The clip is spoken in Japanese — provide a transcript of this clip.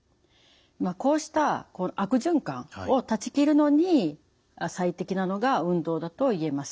こうした悪循環を断ち切るのに最適なのが運動だと言えます。